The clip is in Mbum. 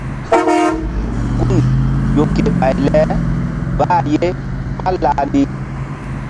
Gun ƴo ke ɓay le bah ye ɓálah ni.